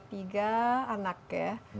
tiga anak ya